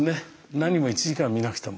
なにも１時間見なくても。